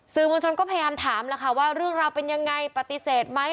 สื่อมวลชนก็พยายามถามแล้วค่ะว่าเรื่องราวเป็นยังไงปฏิเสธไหม